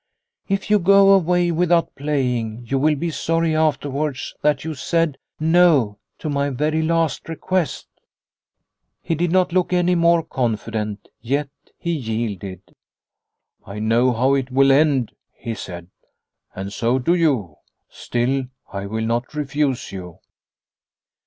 If you go away without playing, you will be sorry afterwards that you said 'No' to my very last request." He did not look any more confident, yet he yielded. " I know how it will end," he said, " and so do you. Still, I will not refuse you."